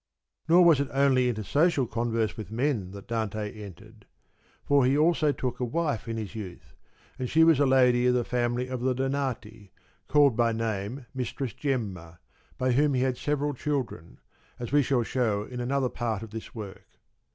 Nor was it only into social converse with men that Dante entered ; for he also took a wife in his youth, and she was a lady of the family of the Donati, called by name Mistress Gemma, by whom he had several children, as we shall shew in another part of this work.